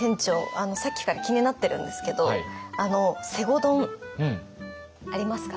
あのさっきから気になってるんですけどあの西郷丼ありますか？